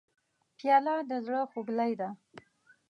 پیاله د زړه خوږلۍ ده.